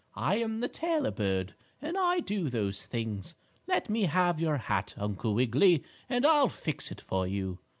"I am the tailor bird, and I do those things. Let me have your hat, Uncle Wiggily, and I'll fix it for you."